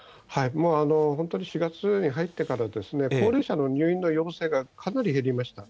本当に４月に入ってから、高齢者の高齢者の入院の要請がかなり減りました。